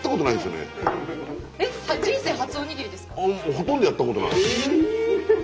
ほとんどやったことない。